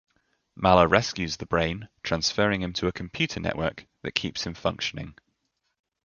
Mallah rescues the Brain, transferring him to a computer network that keeps him functioning.